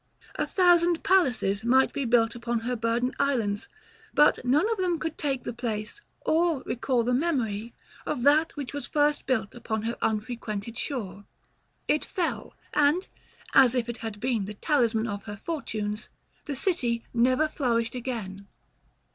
A thousand palaces might be built upon her burdened islands, but none of them could take the place, or recall the memory, of that which was first built upon her unfrequented shore. It fell; and, as if it had been the talisman of her fortunes, the city never flourished again.